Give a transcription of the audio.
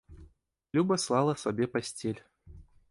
Люба слала сабе пасцель.